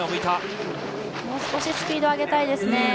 もう少しスピードを上げたいですね。